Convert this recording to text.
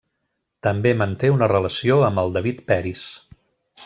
També manté una relació amb el David Peris.